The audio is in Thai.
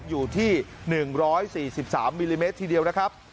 อยู่ที่๑๔๓มิลลิเมตรทีเดียวนะครับ